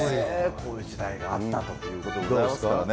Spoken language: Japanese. こういう時代があったということでございますね。